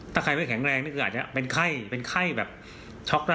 ถ้าใครไม่แข็งแรงนี่คืออาจจะเป็นไข้เป็นไข้แบบช็อกได้